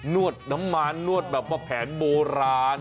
วดน้ำมันนวดแบบว่าแผนโบราณ